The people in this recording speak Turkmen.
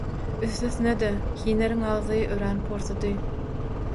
Üstesine-de hinleriň agzy örän porsudy.